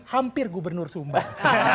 hampir gubernur sumbar